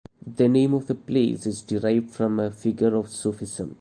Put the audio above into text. The name of the place is derived from a figure of Sufism.